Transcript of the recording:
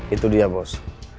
itu dia bos